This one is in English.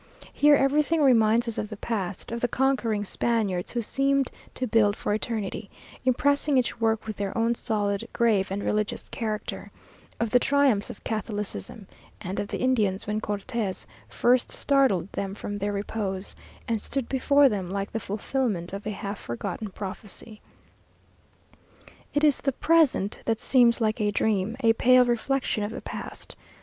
Here, everything reminds us of the past; of the conquering Spaniards, who seemed to build for eternity; impressing each work with their own solid, grave, and religious character; of the triumphs of catholicism; and of the Indians when Cortes first startled them from their repose, and stood before them like the fulfilment of a half forgotten prophecy. It is the present that seems like a dream, a pale reflection of the past.